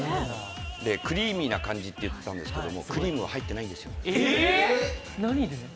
クリーミーな感じっていってたんですけどクリームは入ってなかったんですよ。